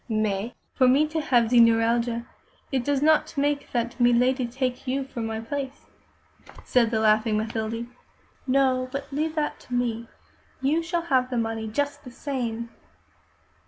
"Mais, for me to have ze neuralgia, it do not make that milady take you for my place," said the laughing Mathilde. "No, but leave that to me. You shall have the money just the same."